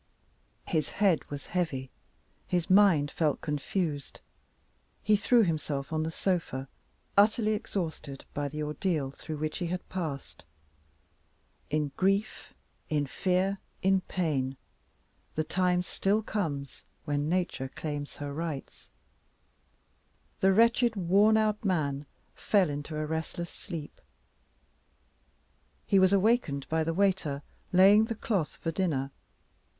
His head was heavy; his mind felt confused. He threw himself on the sofa utterly exhausted by the ordeal through which he had passed. In grief, in fear, in pain, the time still comes when Nature claims her rights. The wretched worn out man fell into a restless sleep. He was awakened by the waiter, laying the cloth for dinner.